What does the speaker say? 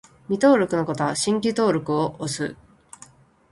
未登録の方は、「新規登録する」を押す